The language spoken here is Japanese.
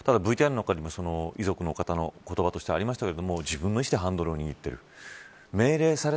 ただＶＴＲの中にも遺族の方の言葉がありましたが自分の意思でハンドルを握っている。